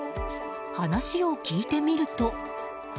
話を聞いてみると。